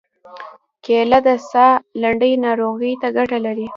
کېله د ساه لنډۍ ناروغۍ ته ګټه لري.